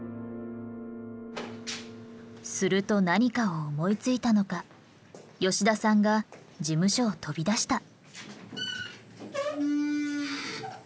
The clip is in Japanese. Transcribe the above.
すると何かを思いついたのか吉田さんが事務所を飛び出した。